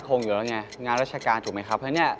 เพิ่งลองดูได้สัก๒๓เดือนแล้วค่ะ